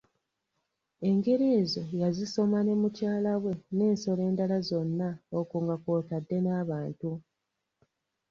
Engero ezo yazisoma ne mukyala we n'ensolo endala zonna okwo nga kw'otadde n'abantu.